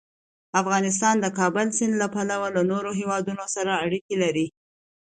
افغانستان د د کابل سیند له پلوه له نورو هېوادونو سره اړیکې لري.